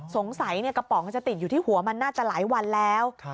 กระป๋องจะติดอยู่ที่หัวมันน่าจะหลายวันแล้ว